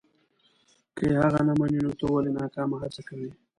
که یې هغه نه مني نو ته ولې ناکامه هڅه کوې.